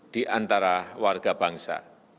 di antara warga bangsa